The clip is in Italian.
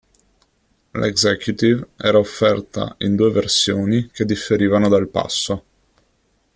La Executive era offerta in due versioni che differivano dal passo.